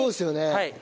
はい。